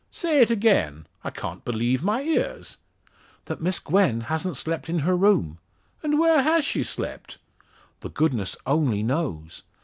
"Say it again. I can't believe my ears." "That Miss Gwen hasn't slept in her room." "And where has she slept?" "The goodness only knows."